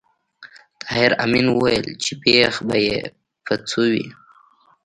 طاهر آمین وویل چې بېخ به یې په څو وي